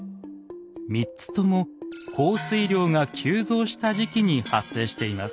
３つとも降水量が急増した時期に発生しています。